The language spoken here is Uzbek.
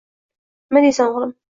— Nima deysan, o'g'lim.